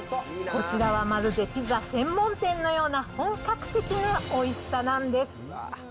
こちらはまるでピザ専門店のような、本格的なおいしさなんです。